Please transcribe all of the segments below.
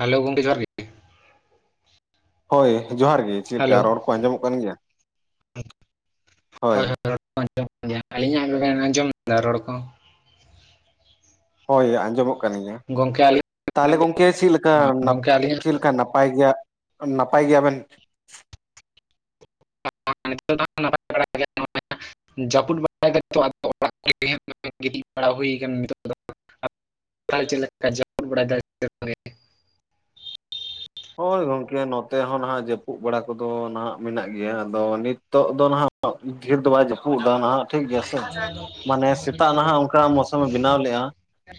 Hello ᱜᱚᱝᱠᱮ ᱡᱚᱦᱟᱨ ᱜᱮᱼᱼ ᱦᱳᱭ ᱡᱚᱦᱟᱨ ᱜᱮ ᱪᱮᱫᱠᱟ ᱦᱮᱞᱳ ᱨᱚᱲ ᱠᱚ ᱟᱸᱡᱚᱢᱚᱜ ᱠᱟᱱ ᱜᱮᱭᱟ? ᱦᱳᱭ, ᱨᱚᱲ ᱠᱚ ᱟᱸᱡᱚᱢᱚᱜ ᱠᱟᱱ ᱜᱮᱭᱟᱹ ᱟᱞᱤᱧᱟᱜ ᱵᱮᱱ ᱟᱸᱡᱚᱢᱫᱟ ᱨᱚᱲ ᱠᱚ? ᱦᱳᱭ ᱟᱸᱡᱚᱢᱚᱜᱼᱼ ᱠᱟᱱ ᱜᱮᱭᱟ ᱜᱚᱢᱠᱮ ᱛᱟᱞᱦᱮ ᱟᱹᱞᱤᱧ ᱜᱚᱝᱠᱮ ᱪᱤᱫ ᱞᱮᱠᱟ ᱜᱚᱢᱠᱮ ᱟᱹᱞᱤᱧᱟᱜ ᱪᱤᱫ ᱠᱟ ᱱᱟᱯᱟᱭ ᱜᱮᱭᱟᱼᱼ ᱱᱟᱯᱟᱭ ᱜᱮᱭᱟᱵᱮᱱ? ᱱᱤᱛᱚᱜ ᱫᱚ ᱦᱟᱸᱜ ᱱᱟᱯᱟᱭ ᱵᱟᱲᱟ ᱜᱮ [unintelligible] ᱡᱟᱹᱯᱩᱫ ᱵᱟᱲᱟᱭ [inaudible] ᱚᱲᱟᱜ ᱨᱮᱜᱮ ᱜᱤᱛᱤᱡ ᱵᱟᱲᱟ ᱦᱩᱭᱠ ᱱᱤᱛᱚᱜ ᱫᱚ᱾ ᱪᱟᱜ ᱪᱮᱫ ᱞᱮᱠᱟ [unintelligible] ᱦᱳᱭ ᱜᱚᱝᱠᱮ ᱱᱚᱛᱮ ᱦᱚᱸ ᱱᱟᱦᱟᱸᱜ ᱡᱟᱹᱯᱩᱫ ᱵᱟᱲᱟ ᱠᱚᱫᱚ ᱱᱷᱟᱜ ᱢᱮᱱᱟᱜ ᱜᱮᱭᱟ, ᱟᱫᱚ ᱱᱤᱛᱚᱜ ᱫᱚ ᱦᱟᱸᱜᱼᱼ ᱱᱛᱜ ᱰᱷᱮᱨ ᱫᱚ ᱵᱟᱭ ᱡᱟᱹᱯᱩᱫ ᱮᱫᱟ ᱱᱷᱟᱜ ᱴᱷᱤᱠ ᱜᱮᱭᱟ᱾ ᱢᱟᱱᱮ ᱥᱮᱛᱟᱜ ᱱᱷᱟᱜ ᱚᱱᱠᱟ ᱢᱳᱥᱟᱢ ᱮ ᱵᱮᱱᱟᱣ ᱞᱮᱜ-ᱟ᱾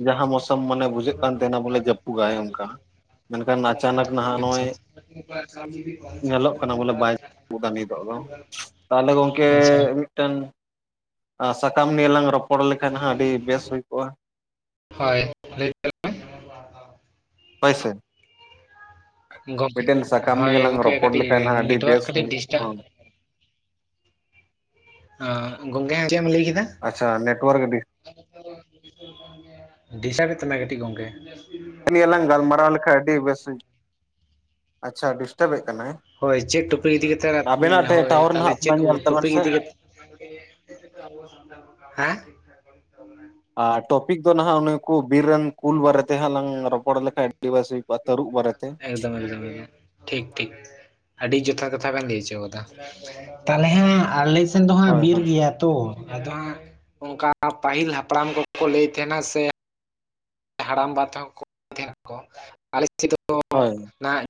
ᱡᱟᱦᱟᱸ ᱢᱳᱥᱳᱢ ᱢᱟᱱᱮ ᱵᱩᱡᱷᱟᱹᱜ ᱠᱟᱱ ᱛᱟᱦᱮᱸᱱᱟ ᱵᱚᱞᱮ ᱡᱟᱹᱯᱩᱫᱟᱭ ᱚᱱᱠᱟ ᱢᱮᱱᱠᱷᱟᱱ ᱟᱪᱟᱱᱟᱼᱼ ᱟᱪᱪᱷᱟ-ᱟᱪᱪᱷᱟᱼᱼ ᱧᱮᱞᱚᱜ ᱠᱟᱱᱟ ᱵᱚᱞᱮ [inaudible] ᱱᱤᱛᱚᱜ ᱫᱚ ᱛᱟᱦᱚᱞᱮ ᱜᱚᱝᱠᱮᱻ ᱟᱪᱪᱷᱟ ᱢᱤᱫᱴᱟᱹᱝᱼᱼ ᱟᱸ ᱥᱟᱠᱟᱢ ᱱᱤᱭᱮ ᱞᱟᱝ ᱨᱚᱯᱚᱲ ᱞᱮᱠᱷᱟᱱ ᱦᱚᱸ ᱟᱹᱰᱤ ᱵᱮᱥ ᱦᱩᱭ ᱠᱚᱜ-ᱟ᱾ ᱦᱳᱭ ᱞᱟᱹᱭ ᱢᱮ ᱢᱟᱼᱼ ᱦᱳᱭ ᱥᱮ, ᱫᱟᱞᱤᱧ ᱜᱚᱢᱠᱮ ᱢᱤᱫᱴᱮᱱ ᱥᱟᱠᱟᱢ ᱦᱳᱭ ᱱᱤᱭᱮ ᱞᱟᱝ ᱜᱚᱢᱠᱮ ᱨᱚᱯᱚᱲ ᱠᱟᱹᱴᱤᱡ ᱞᱮᱠᱷᱟᱱ ᱟᱹᱰᱤ ᱱᱮᱴᱣᱟᱨᱠ ᱵᱮᱥ ᱠᱟᱹᱴᱤᱡ ᱦᱩᱭ ᱰᱤᱥᱴᱟᱵ ᱦᱚᱸᱼᱼ ᱮᱸ ᱜᱚᱝᱠᱮ ᱮᱱᱝ ᱪᱮᱫ ᱮᱢ ᱞᱟᱹᱭ ᱠᱮᱫᱟ? ᱟᱪᱪᱷᱟ ᱱᱮᱴᱚᱣᱟᱨᱠ ᱜᱮ ᱰᱤᱼᱼ ᱰᱤᱥᱴᱟᱵᱮᱫ ᱛᱟᱢᱟᱭ ᱠᱟᱹᱴᱤᱡ ᱜᱚᱢᱠᱮ᱾ ᱱᱮᱜᱮ ᱱᱤᱭᱟᱹᱞᱟᱝ ᱜᱟᱞᱢᱟᱨᱟᱣ ᱞᱮᱠᱷᱟᱡ ᱟᱹᱰᱤ ᱵᱮᱥ ᱦᱩᱭᱩᱜ, ᱟᱪᱪᱷᱟ ᱰᱤᱥᱴᱟᱵᱮᱫ ᱠᱟᱱᱟᱭ? ᱦᱳᱭ ᱪᱮᱫ ᱴᱚᱯᱤᱠ ᱤᱫᱤ ᱠᱟᱛᱮ ᱟᱵᱮᱱᱟᱜ [inaudible] ᱴᱷᱮᱡ ᱦᱳᱭ ᱴᱟᱣᱟᱨ ᱛᱟᱦᱚᱞᱮ ᱱᱟᱦᱟᱜ ᱛᱷᱚᱲᱟ ᱪᱮᱫ ᱧᱮᱞ ᱛᱟᱵᱮᱱ ᱴᱚᱯᱤᱠ ᱥᱮ ᱤᱫᱤ ᱠᱟᱛᱮᱼᱼ ᱦᱮᱸ ᱟᱨ ᱴᱚᱯᱤᱠ ᱫᱚ ᱱᱷᱟᱜ ᱮᱱᱮ ᱩᱱᱠᱩ ᱵᱤᱨ ᱨᱮᱱᱼᱼ ᱠᱩᱞ ᱵᱟᱨᱮᱛᱮ ᱦᱟᱸᱜ ᱞᱟᱝ ᱨᱚᱯᱚᱲ ᱞᱮᱠᱷᱟᱡ ᱟᱹᱰᱤ ᱵᱮᱥ ᱦᱩᱭ ᱠᱚᱜ-ᱟ ᱛᱟᱹᱨᱩᱵ ᱵᱟᱨᱮᱛᱮ᱾ ᱫᱚᱢᱮ ᱫᱚᱢᱮᱞ ᱴᱷᱤᱠᱼᱴᱷᱤᱠ ᱟᱹᱰᱤ ᱡᱚᱛᱷᱟᱛ ᱠᱟᱛᱷᱟ ᱵᱮᱱ ᱞᱟᱹᱭ ᱦᱚᱪᱚ ᱟᱠᱟᱫᱟ᱾ ᱛᱟᱦᱚᱞᱮ ᱦᱟᱸᱜ ᱟᱞᱮ ᱥᱮᱱ ᱫᱚ ᱦᱟᱸᱜ ᱦᱳᱭ ᱵᱤᱨ ᱦᱳᱭ ᱜᱮᱭᱟ ᱛᱚ, ᱟᱫᱚ ᱦᱟᱸᱜᱼᱼ ᱚᱱᱠᱟ ᱯᱟᱹᱦᱤᱞ ᱦᱟᱯᱲᱟᱢ ᱠᱚᱠᱚ ᱞᱟᱹᱭ ᱛᱟᱦᱮᱸᱱᱟ ᱥᱮᱼᱼ ᱦᱟᱲᱟᱢ ᱵᱟ ᱛᱟᱦᱮᱠᱚ ᱛᱟᱦᱮᱱᱟᱠᱚ [inaudible] ᱫᱚ ᱦᱳᱭ ᱱᱟ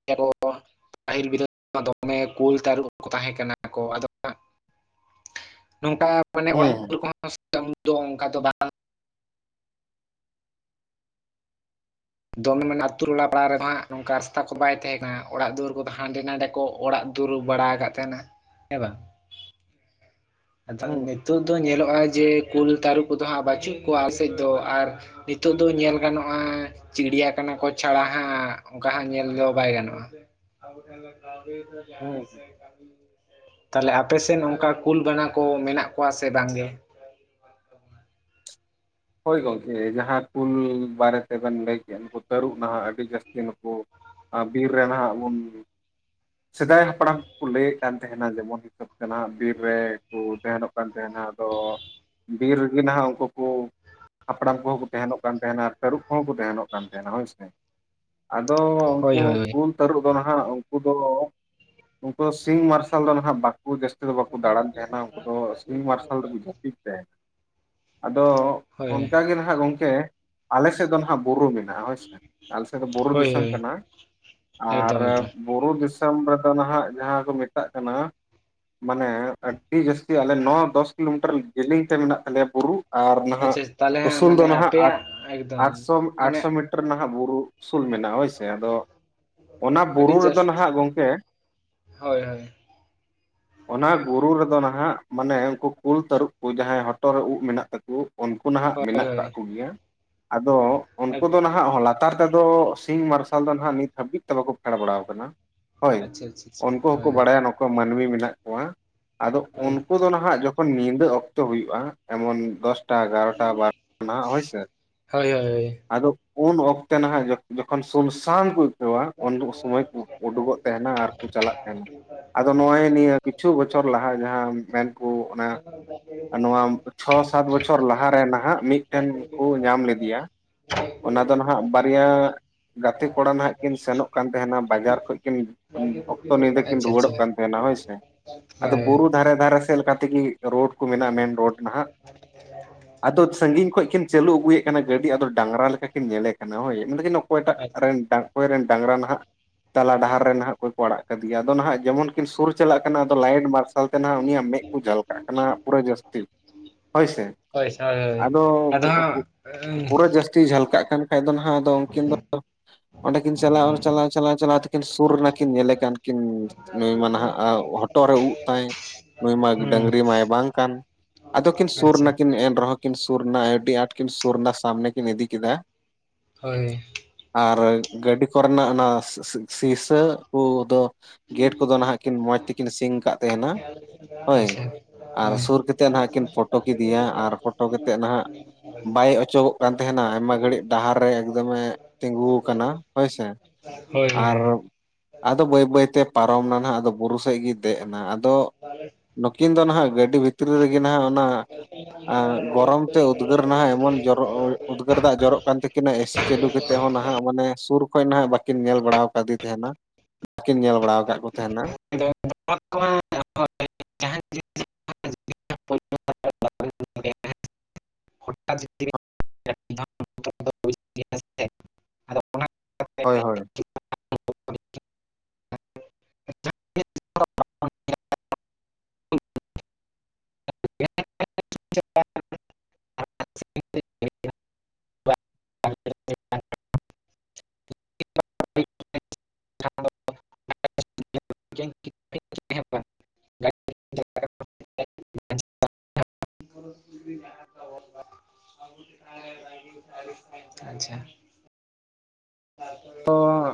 [unintelligible] ᱯᱟᱹᱦᱤᱞ ᱵᱤᱫᱟᱹ ᱫᱚᱢᱮ ᱠᱩᱞ ᱛᱟᱹᱨᱩᱵ ᱠᱚ ᱛᱟᱦᱮᱸ ᱠᱟᱱᱟ ᱠ, ᱚ ᱟᱫᱚᱼᱼ [unintelligible] ᱱᱚᱝᱠᱟ ᱢᱟᱱᱮ ᱚᱲᱟᱜ ᱦᱩᱸ ᱫᱤᱣᱟᱹᱨ ᱠᱚᱦᱚᱸ ᱫᱚ ᱩᱱᱫᱚ ᱚᱱᱠᱟ ᱫᱚ ᱵᱟᱝ᱾ ᱫᱚᱢᱮ ᱟᱱ ᱟᱛᱳ ᱴᱚᱞᱟ ᱯᱟᱲᱟ ᱨᱮᱫᱚ ᱦᱟᱸᱜ ᱱᱚᱝᱠᱟ ᱨᱟᱥᱛᱟ ᱠᱚ ᱵᱟᱭ ᱛᱟᱦᱮᱸ ᱠᱟᱱᱟ ᱚᱲᱟᱜ ᱫᱩᱣᱟᱹᱨ ᱠᱚᱫᱚ ᱦᱟᱸᱰᱮ ᱱᱟᱰᱮᱼᱼ ᱠᱚ ᱚᱲᱟᱜ ᱫᱩᱣᱟᱹᱨ ᱵᱟᱲᱟ ᱟᱠᱟᱫ ᱛᱟᱦᱮᱱᱟ ᱦᱮᱸ ᱵᱟᱝ᱾ ᱟᱫᱚ ᱦᱩᱸ ᱱᱤᱛᱳᱜ ᱫᱚ ᱧᱮᱞᱚᱜ-ᱟ ᱡᱮ ᱠᱩᱞ ᱛᱟᱹᱨᱩᱵ ᱠᱚᱫᱚ ᱦᱟᱸᱜ ᱵᱟᱹᱪᱩᱜ ᱠᱚᱣᱟ ᱥᱮᱫ ᱫᱚ᱾ ᱟᱨᱼᱼ ᱱᱤᱛᱚᱜ ᱫᱚ ᱧᱮᱞ ᱜᱟᱱᱚᱜ-ᱟ, ᱪᱤᱲᱤᱭᱟ-ᱠᱷᱟᱱᱟ ᱠᱚ ᱪᱷᱟᱲᱟ ᱦᱟᱸᱜ ᱚᱱᱠᱟ ᱦᱟᱸᱜ ᱧᱮᱞ ᱫᱚ ᱵᱟᱭ ᱜᱟᱱᱚᱜ-ᱟ᱾ [unintelligible] ᱦᱩᱸ ᱛᱟᱞᱦᱮ ᱟᱯᱮ ᱥᱮᱫ ᱚᱱᱠᱟ ᱠᱩᱞ ᱵᱟᱱᱟ ᱠᱚ ᱢᱮᱱᱟᱜ ᱠᱚᱣᱟ ᱥᱮ ᱵᱟᱝ ᱜᱮ? ᱦᱳᱭ ᱜᱚᱝᱠᱮ ᱡᱟᱦᱟᱸ ᱠᱩᱞ ᱵᱟᱨᱮ ᱛᱮᱵᱮᱱ ᱞᱟᱹᱭ ᱠᱮᱜ-ᱟ ᱱᱩᱠᱩ ᱛᱟᱹᱨᱩᱵᱽ ᱱᱷᱟᱜ ᱟᱹᱰᱤ ᱡᱟᱹᱥᱛᱤ ᱱᱩᱠᱩᱼᱼ ᱟᱸ ᱵᱤᱨ ᱨᱮ ᱱᱷᱟᱜ ᱵᱚᱱᱼᱼ ᱥᱮᱫᱟᱭ ᱦᱟᱯᱲᱟᱢ ᱠᱚᱠᱚ ᱞᱟᱹᱭᱮᱫ ᱠᱟᱱ ᱛᱟᱦᱮᱸᱱᱟ ᱡᱮᱢᱚᱱ ᱦᱤᱥᱟᱹᱵ ᱛᱮ ᱵᱤᱨ ᱨᱮᱠᱚ ᱛᱟᱦᱮᱸᱱᱚᱜ ᱠᱟᱱ ᱛᱟᱦᱮᱸᱱᱟ ᱟᱫᱚᱼᱼ ᱵᱤᱨ ᱨᱮᱜᱮ ᱱᱷᱟᱜ ᱩᱱᱠᱩ ᱠᱚᱼᱼ ᱦᱟᱯᱲᱟᱢ ᱠᱚᱦᱚᱸ ᱠᱚ ᱛᱟᱦᱮᱸᱱᱚᱜ ᱠᱟᱱ ᱛᱟᱦᱮᱸᱱᱟ, ᱟᱨ ᱛᱟᱹᱨᱩᱵ ᱠᱚᱦᱚᱸ ᱠᱚ ᱛᱟᱦᱮᱸᱱᱚᱜ, ᱠᱟᱱ ᱛᱟᱦᱮᱸᱱᱟ, ᱦᱳᱭᱥᱮᱼᱼ ᱟᱫᱚ ᱩᱱᱠᱩ ᱦᱳᱭ ᱦᱳᱭ ᱠᱩᱞ ᱛᱟᱹᱨᱩᱵ ᱫᱚ ᱦᱟᱸᱜ ᱩᱱᱠᱩ ᱫᱚᱼᱼ ᱩᱱᱠᱩ ᱫᱚ ᱥᱤᱧ ᱢᱟᱨᱥᱟᱞ ᱫᱚᱱᱷᱟᱜ ᱵᱟᱠᱼᱼ ᱩᱱᱠᱩ ᱡᱟᱹᱥᱛᱤ ᱫᱚ ᱵᱟᱠᱚ ᱫᱟᱲᱟᱱ ᱛᱟᱦᱮᱸᱱᱟ ᱩᱱᱠᱩ ᱫᱚ ᱥᱤᱧ ᱢᱟᱨᱥᱟᱞ ᱨᱮᱠᱚ ᱡᱟᱹᱯᱤᱫ ᱛᱟᱦᱮᱸᱱᱟ᱾ ᱟᱫᱚ ᱦᱳᱭ ᱚᱱᱠᱟ ᱜᱮ ᱦᱟᱸᱜ ᱜᱚᱝᱠᱮ ᱟᱞᱮ ᱥᱮᱫ ᱫᱚ ᱦᱟᱸᱜ ᱵᱩᱨᱩ ᱢᱮᱱᱟᱜᱼᱟ᱾ ᱦᱳᱭ ᱥᱮ ᱟᱞᱮ ᱥᱮᱫ ᱫᱚ ᱵᱩᱨᱩ ᱦᱳᱭ ᱫᱤᱥᱚᱢ ᱦᱳᱭ ᱠᱟᱱᱟ ᱟᱨ᱾ ᱮᱠᱫᱚᱢ ᱮᱠᱫᱚᱢ ᱵᱩᱨᱩ ᱫᱤᱥᱚᱢ ᱨᱮᱫᱚ ᱱᱷᱟᱜ ᱡᱟᱦᱟᱸ ᱠᱚ ᱢᱮᱛᱟᱜ ᱠᱟᱱᱟ᱾ ᱢᱟᱱᱮ ᱟᱹᱰᱤ ᱡᱟᱹᱥᱛᱤ ᱟᱞᱮ ᱱᱚ ᱫᱚᱥ ᱠᱤᱞᱳᱢᱤᱴᱟᱨ ᱡᱮᱞᱮᱧ ᱛᱮ ᱢᱮᱱᱟᱜ ᱛᱟᱞᱮᱭᱟ ᱵᱩᱨᱩ᱾ ᱟᱨ ᱱᱟᱦᱟᱜ ᱟᱪᱪᱷᱟ ᱛᱟᱦᱚᱞᱮ ᱦᱟᱸᱜ ᱩᱥᱩᱞ ᱫᱚ ᱢᱟᱱᱮ ᱱᱷᱟᱜ ᱟᱯᱮᱭᱟᱜ ᱮᱠᱫᱚᱢ ᱟᱴᱥᱚ ᱢᱟᱱᱮ ᱟᱴᱥᱚ ᱢᱤᱴᱟᱨ ᱨᱮ ᱱᱷᱟᱜ ᱵᱩᱨᱩ ᱩᱥᱩᱞ ᱢᱮᱱᱟᱜᱼᱟ ᱦᱳᱭᱥᱮ ᱟᱫᱚ ᱚᱱᱟ ᱟᱹᱰᱤ ᱵᱩᱨᱩ ᱨᱮᱫᱚ ᱡᱟᱹᱥᱛᱤ ᱱᱟᱦᱟᱜ ᱜᱚᱝᱠᱮ, ᱦᱳᱭ ᱦᱳᱭ ᱚᱱᱟ ᱜᱩᱨᱩ ᱨᱮᱫᱚ ᱱᱷᱟᱜ ᱢᱟᱱᱮ ᱩᱱᱠᱩ ᱠᱩᱞ ᱛᱟᱹᱨᱩᱵ ᱠᱚ ᱡᱟᱦᱟᱸᱭ ᱦᱚᱴᱚᱜ ᱨᱮ ᱩᱵ ᱢᱮᱱᱟᱜ ᱛᱟᱠᱚ ᱩᱱᱠᱩ᱾ ᱩᱱᱠᱩ ᱱᱷᱟᱜ ᱦᱳᱭ ᱢᱮᱱᱟᱜ ᱦᱳᱭ ᱟᱠᱟᱫ ᱠᱚᱜᱮᱭᱟ ᱟᱫᱚ ᱩᱱᱠᱩ ᱫᱚ ᱟᱪᱪᱷᱟ ᱱᱟᱦᱟᱜ ᱦᱚᱞᱟ ᱞᱟᱛᱟᱨ ᱛᱮᱫᱚ ᱥᱤᱧ ᱢᱟᱨᱥᱟᱞ ᱫᱚ ᱱᱟᱦᱟᱜ ᱱᱤᱛ ᱦᱟᱹᱵᱤᱡ ᱛᱮ ᱵᱟᱠᱚ ᱯᱷᱮᱰ ᱵᱟᱲᱟᱣ ᱟᱠᱟᱱᱟ, ᱦᱳᱭ ᱟᱪᱪᱷᱟ ᱟᱪᱪᱷᱟ ᱩᱱᱠᱩ ᱦᱚᱸᱠᱚ ᱵᱟᱰᱟᱭᱟ ᱦᱳᱭ ᱱᱩᱠᱩ ᱢᱟᱹᱱᱢᱤ ᱢᱮᱱᱟᱜ ᱠᱚᱣᱟ, ᱟᱫᱚ ᱩᱱᱠᱩ ᱫᱚ ᱱᱷᱟᱜ ᱡᱚᱠᱷᱚᱱ ᱧᱤᱫᱟᱹ ᱚᱠᱛᱚ ᱦᱩᱭᱩᱜᱼᱟ ᱮᱢᱚᱱ ᱫᱚᱥᱴᱟ ᱜᱟᱱ [unintelligible] ᱦᱚᱭ ᱥᱮ ᱦᱳᱭ ᱦᱳᱭ ᱟᱫᱚ ᱩᱱ ᱚᱠᱛᱮ ᱱᱷᱟᱜ ᱡᱚᱠᱷᱚᱱ ᱥᱩᱱᱥᱟᱱ ᱠᱚ ᱟᱹᱭᱠᱟᱹᱣᱟ ᱩᱱ ᱥᱚᱢᱚᱭ ᱠᱚ ᱩᱰᱩᱠᱚᱜ ᱛᱟᱦᱮᱱᱟ ᱟᱨᱠᱚ ᱪᱟᱞᱟᱜ ᱛᱟᱦᱮᱱᱟ [unintelligible] ᱟᱫᱚ ᱱᱚᱜᱼᱚᱭ ᱱᱤᱭᱟᱹ ᱠᱤᱪᱷᱩ ᱵᱚᱪᱷᱚᱨ ᱞᱟᱦᱟ ᱡᱟᱦᱟᱸ ᱢᱮᱱᱠᱩ ᱚᱱᱟ, ᱟᱨ ᱱᱚᱣᱟ ᱪᱷᱚ ᱥᱟᱛ ᱵᱪᱷᱚᱨ ᱞᱟᱦᱟ᱾ ᱨᱮ ᱱᱟᱦᱟᱜ ᱢᱤᱫᱴᱮᱱ ᱠᱩ ᱧᱟᱢ ᱞᱮᱫᱮᱭᱟ ᱚᱱᱟ ᱫᱚ ᱱᱟᱦᱟᱜ ᱵᱟᱨᱭᱟ, ᱜᱟᱛᱮ ᱠᱚᱲᱟ ᱱᱟᱦᱟᱜ, ᱠᱤᱱ ᱥᱮᱱᱚᱜ ᱠᱟᱱ ᱛᱟᱦᱮᱸᱱᱟ ᱵᱟᱡᱟᱨ ᱠᱷᱚᱱᱚᱡ ᱠᱤᱱ ᱦᱳᱭ ᱚᱠᱛᱚ ᱧᱤᱫᱟᱹ ᱠᱤᱱ ᱟᱪᱪᱷᱟ ᱟᱪᱪᱷᱟ ᱨᱩᱣᱟᱹᱲᱚᱜ ᱠᱟᱱ ᱛᱟᱦᱮᱸᱱᱟ ᱦᱳᱭ ᱥᱮ᱾ ᱟᱫᱚ ᱦᱳᱭ ᱵᱩᱨᱩ ᱫᱷᱟᱨᱮ ᱫᱷᱟᱨᱮ ᱥᱮᱫ ᱞᱮᱠᱟ ᱛᱮᱜᱮ ᱨᱳᱰ ᱠᱚ ᱢᱮᱱᱟᱜᱼᱟ ᱢᱮᱱ ᱨᱳᱰ ᱱᱟᱦᱟᱜ, ᱟᱫᱚ ᱥᱟᱜᱤᱧ ᱠᱷᱚᱱᱚᱡ ᱠᱤᱱ ᱪᱟᱹᱞᱩ ᱟᱹᱜᱩᱭᱮᱫ ᱠᱟᱱᱟ ᱜᱟᱹᱰᱤ ᱟᱫᱚ ᱰᱟᱝᱨᱟ ᱞᱮᱠᱟ ᱠᱤᱱ ᱧᱮᱞᱮ ᱠᱟᱱᱟ ᱦᱳᱭ, ᱚᱠᱚᱭᱴᱟᱜ ᱦᱳᱭ ᱨᱮᱱ ᱚᱠᱚᱭᱨᱮ ᱨᱮᱱ ᱰᱟᱝᱨᱟ ᱱᱟᱦᱟᱜ ᱛᱟᱞᱟ ᱰᱟᱦᱟᱨ ᱨᱮ ᱱᱟᱦᱟᱜ ᱚᱠᱚᱭ ᱠᱚ ᱟᱲᱟᱜ ᱠᱟᱫᱮᱭᱟ ᱟᱫᱚ ᱱᱟᱦᱟᱜ ᱡᱮᱢᱚᱱ ᱠᱤᱱ ᱥᱩᱨ ᱪᱟᱞᱟᱜ ᱠᱟᱱᱟ ᱟᱫᱚ ᱞᱟᱭᱤᱴ ᱢᱟᱨᱥᱟᱞ ᱛᱮ ᱱᱟᱟᱜ ᱩᱱᱤᱭᱟᱜ ᱢᱮᱫ ᱠᱚ ᱡᱷᱟᱞ ᱠᱟᱜ ᱠᱟᱱᱟ, ᱯᱩᱨᱟᱹ ᱡᱟᱹᱥᱛᱤ ᱦᱳᱭ ᱥᱮ ᱦᱳᱭ ᱥᱮ ᱦᱳᱭ ᱦᱳᱭ, ᱟᱫᱚ ᱦᱟᱸᱜ ᱯᱩᱨᱟᱹ ᱡᱟᱹᱥᱛᱤ ᱡᱷᱟᱞᱠᱟᱜ ᱠᱟᱱ ᱠᱷᱟᱡ ᱫᱚ ᱱᱟᱦᱟᱜ ᱟᱫᱚ ᱩᱱᱠᱤᱱ ᱫᱚ, ᱚᱸᱰᱮᱠᱤᱱ ᱪᱟᱞᱟᱣ ᱪᱟᱞᱟᱣ ᱪᱟᱞᱟᱣ ᱪᱟᱞᱟᱣ ᱛᱠᱤᱱ ᱥᱩᱨ ᱨᱮᱱᱟ ᱠᱤᱱ ᱧᱮᱞᱮ ᱠᱟᱱ ᱠᱤᱱ, ᱱᱩᱭ ᱢᱟ ᱱᱟᱦᱟᱜ ᱦᱚᱴᱚᱜ ᱨᱮ ᱩᱵ ᱛᱟᱭ ᱱᱩᱭ ᱢᱟ ᱰᱝᱨᱤ ᱢᱟᱭ ᱵᱟᱝ ᱠᱟᱱ, ᱟᱫᱚᱠᱤᱱ ᱦᱩᱸ ᱥᱩᱨ ᱟᱪᱪᱷᱟ ᱱᱟ, ᱮᱱ ᱨᱮᱦᱚᱸ ᱠᱤᱱ ᱥᱩᱨ ᱮᱱᱟ ᱟᱹᱰᱤ ᱟᱸᱴ ᱠᱤᱱ ᱥᱩᱨ ᱮᱱᱟ ᱥᱟᱢᱱᱮ ᱠᱤᱱ ᱤᱫᱤ ᱠᱮᱫᱟ, ᱦᱳᱭ, ᱟᱨ ᱜᱟᱹᱰᱤ ᱠᱚᱨᱮᱱᱟᱜ ᱚᱱᱟ ᱥᱤᱥᱟᱹ ᱠᱩᱫᱚ ᱜᱮᱴ ᱠᱚᱫᱚ ᱱᱟᱦᱟᱜ ᱠᱤᱱ ᱢᱚᱸᱡᱽ ᱛᱮᱠᱤᱱ ᱥᱤᱧᱝ ᱠᱟᱜ, ᱛᱟᱦᱮᱱᱟ ᱦᱳᱭ ᱟᱪᱪᱷᱟ ᱦᱳᱭ, ᱤᱫᱤᱭᱟ ᱟᱨ ᱯᱷᱳᱴᱳ ᱠᱟᱛᱮᱫ ᱱᱟᱦᱟᱜ ᱵᱟᱭ ᱚᱪᱚᱜᱚᱜ ᱠᱟᱱ ᱛᱟᱦᱮᱸᱱᱟ ᱟᱭᱢᱟ ᱜᱷᱟᱹᱲᱤᱡ ᱰᱟᱦᱟᱨ ᱨᱮ ᱮᱠᱫᱚᱢᱮ, ᱛᱤᱸᱜᱩ ᱠᱟᱱᱟ ᱦᱳᱭ ᱥᱮ, ᱦᱳᱭ ᱦᱳᱭ, ᱟᱫᱚ ᱵᱟᱹᱭ ᱵᱟᱹᱭᱛᱮ ᱯᱟᱨᱚᱢ ᱱᱟ ᱱᱟᱜ ᱟᱫᱚ ᱵᱩᱨᱩ ᱥᱮᱫ ᱜᱮ ᱫᱮᱡ ᱮᱱᱟ ᱟᱫᱚ, ᱱᱩᱠᱤᱱ ᱫᱚ ᱱᱟᱦᱱᱟᱜ ᱜᱟᱹᱰᱤ ᱵᱷᱤᱛᱨᱤ ᱨᱮᱜᱮ ᱱᱟᱦᱱᱟᱜ ᱚᱱᱟ, ᱜᱚᱨᱚᱢ ᱛᱮ ᱩᱫᱽᱜᱟᱹᱨ ᱱᱟᱦᱟᱜ ᱮᱢᱚᱱᱚᱨ ᱩᱫᱽᱜᱟᱹᱨ ᱫᱟᱜ ᱡᱚᱨᱚᱜ ᱠᱟᱱ ᱛᱟᱹᱠᱤᱱᱟ ᱮᱥᱤ ᱪᱟᱹᱞᱩ ᱠᱟᱛᱮᱫ ᱦᱚᱸ ᱱᱟᱦᱟᱜ, ᱮᱸ ᱢᱟᱱᱮ ᱥᱩᱨ ᱠᱷᱚᱡ ᱱᱟᱦᱟᱜ ᱵᱟᱹᱠᱤᱱ ᱧᱮᱞ ᱵᱟᱲᱟ ᱠᱟᱫᱮ ᱛᱟᱦᱮᱸᱱᱟ ᱵᱟᱟᱹᱠᱤᱱ ᱧᱮᱞ ᱵᱟᱲᱟ ᱟᱠᱟᱫ ᱠᱚ ᱛᱟᱦᱮᱸᱱᱟ᱾ [inaudible] [inaudible] [inaudible] ᱦᱳᱭ ᱦᱳᱭ ᱟᱪᱪᱷᱟ, [inaudible] [unintelligible] [inaudible] ᱟᱪᱪᱷᱟ ᱛᱚ